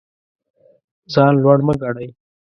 ځان لوړ مه ګڼئ.